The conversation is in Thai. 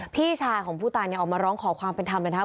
พี่ชายของผู้ตายเนี่ยออกมาร้องขอความเป็นธรรมเลยนะครับ